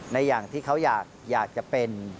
ในอย่างที่เขาอยากจะเป็น